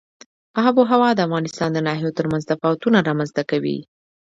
آب وهوا د افغانستان د ناحیو ترمنځ تفاوتونه رامنځ ته کوي.